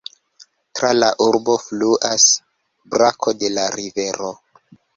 Tra la urbo fluas brako de la rivero.